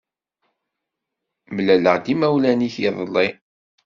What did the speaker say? Mlaleɣ-d imawlan-ik iḍelli.